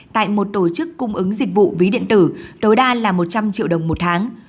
tại một tổ chức cung ứng dịch vụ ví điện tử tối đa là một trăm linh triệu đồng một tháng